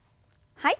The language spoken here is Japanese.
はい。